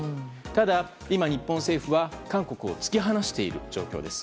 ただ、今、日本政府は韓国を突き放している状況です。